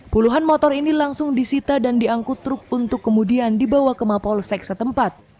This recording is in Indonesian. puluhan motor ini langsung disita dan diangkut truk untuk kemudian dibawa ke mapolsek setempat